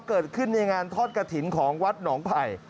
เกิดขึ้นในงานทอดกระถิ่นของวัดหนองไผ่